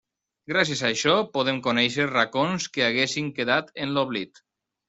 Gràcies a això, podem conèixer racons que haguessin quedat en l'oblit.